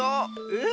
え？